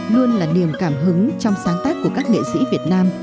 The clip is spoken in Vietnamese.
luôn là niềm cảm hứng trong sáng tác của các nghệ sĩ việt nam